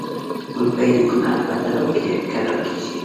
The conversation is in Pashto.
ګلپي د کونړ په درو کې کرل کیږي